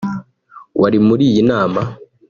wari muri iyi nama